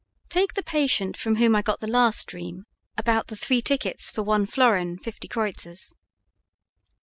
Take the patient from whom I got the last dream about the three tickets for one florin fifty kreuzers.